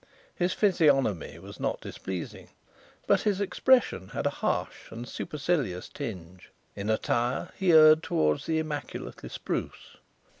His physiognomy was not displeasing, but his expression had a harsh and supercilious tinge. In attire he erred towards the immaculately spruce.